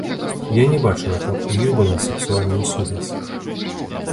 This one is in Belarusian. Я не бачыла, каб у іх была сексуальная сувязь.